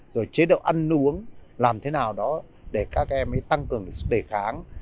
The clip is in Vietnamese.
rồi chế độ ăn uống làm thế nào đó để các em tăng cường sức đề kháng